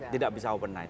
tidak bisa overnight